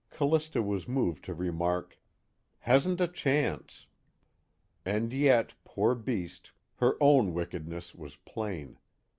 Callista was moved to remark: "Hasn't a chance." And yet, poor beast, her own wickedness was plain.